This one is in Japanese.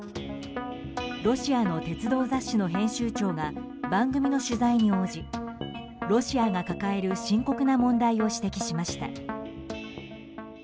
ロシアの鉄道雑誌の編集長が番組の取材に応じロシアが抱える深刻な問題を指摘しました。